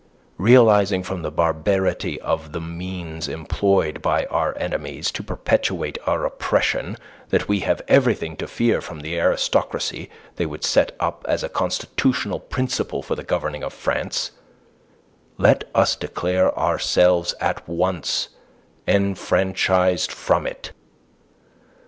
Realizing from the barbarity of the means employed by our enemies to perpetuate our oppression that we have everything to fear from the aristocracy they would set up as a constitutional principle for the governing of France, let us declare ourselves at once enfranchised from it.